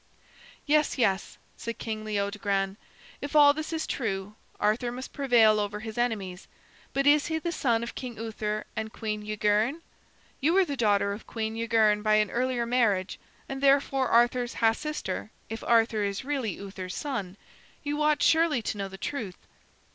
"Yes, yes," said King Leodogran, "if all this is true, Arthur must prevail over his enemies. But is he the son of King Uther and Queen Yguerne? You are the daughter of Queen Yguerne by an earlier marriage, and, therefore, Arthur's half sister if Arthur is really Uther's son. You ought surely to know the truth."